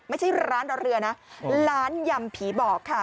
ไม่ใช่ร้านเราเรือนะร้านยำผีบอกค่ะ